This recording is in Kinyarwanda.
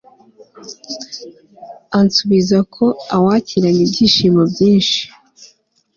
ansubiza ko awakiranye ibyishimo byinshi